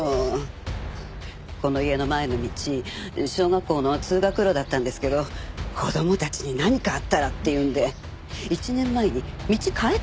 この家の前の道小学校の通学路だったんですけど子供たちに何かあったらっていうんで１年前に道変えたんですから。